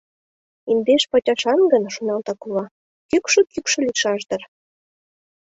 Индеш пачашан гын, шоналта кува, кӱкшӧ-кӱкшӧ лийшаш дыр.